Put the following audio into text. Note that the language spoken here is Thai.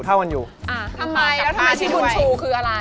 ทำไมแล้วทำไมที่บุญชูคืออะไร